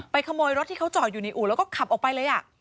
ขโมยรถที่เขาจอดอยู่ในอู่แล้วก็ขับออกไปเลย